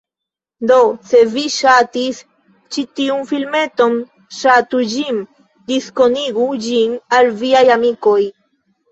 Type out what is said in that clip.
Do, se vi ŝatis ĉi tiun filmeton ŝatu ĝin, diskonigu ĝin al viaj amikoj